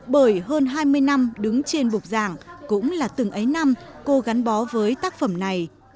bởi hơn hai mươi năm đứng trên bục giảng cũng là từng ấy năm cô gắn bó với tác phẩm này